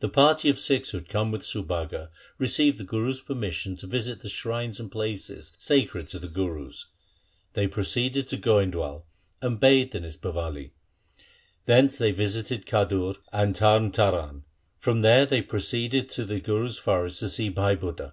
The party of Sikhs who had come with Subhaga received the Guru's permission to visit the shrines and places sacred to the Gurus. They proceeded to Goindwal, and bathed in its Bawali. Thence they visited Khadur and Tarn Taran. From there they proceeded to the Guru's forest to see Bhai Budha.